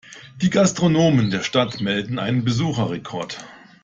Die Gastronomen der Stadt melden einen Besucherrekord.